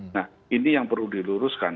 nah ini yang perlu diluruskan